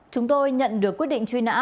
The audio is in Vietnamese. chúng tôi nhận được quyết định truy nã